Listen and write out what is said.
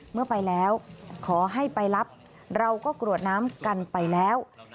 เมื่อไปแล้วขอให้ไปรับเราก็กรวดน้ำกันไปแล้ว